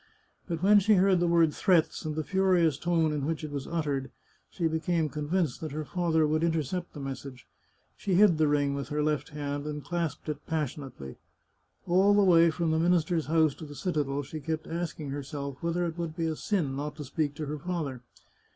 But when she heard the word " threats," and the furious tone in which it was uttered, she became convinced that her father would in tercept the message. She hid the ring with her left hand and clasped it passionately. All the way from the minister's house to the citadel she kept asking herself whether it would be a sin not to speak to her father.